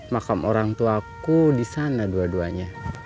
makam orangtuaku disana dua duanya